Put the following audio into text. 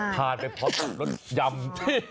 ทานไปเพราะรสยำ